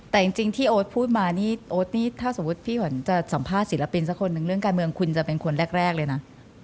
แต่จริงที่โอ๊ตพูดมานี่โอ๊ตนี่ถ้าสมมุติพี่ขวัญจะสัมภาษณ์ศิลปินสักคนหนึ่งเรื่องการเมืองคุณจะเป็นคนแรกเลยนะ